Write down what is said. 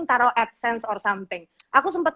taruh adsense or something aku sempet